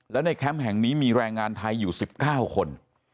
แล้วในแคมป์แห่งนี้มีแรงงานไทยอยู่๑๙คน